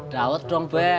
dawat dong be